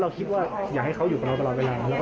อัลฟ้าอ่าคำถามคือไม่ควรตอบเลยนะคือมันมันไม่มีการตอบหยังไง